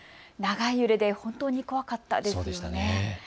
長い揺れで本当に怖かったですよね。